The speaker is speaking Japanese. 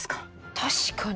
確かに。